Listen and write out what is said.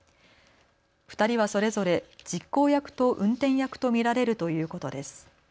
２人はそれぞれ実行役と運転役と見られるということです。